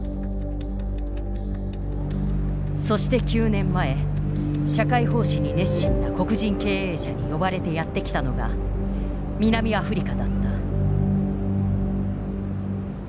そして９年前社会奉仕に熱心な黒人経営者に呼ばれてやって来たのが南アフリカだった。